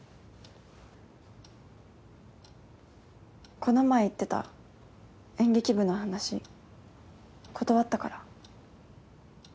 この前言ってた演劇部の話断ったから。